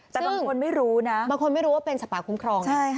แต่บางคนไม่รู้นะบางคนไม่รู้ว่าเป็นสัตว์ป่าคุ้มครอง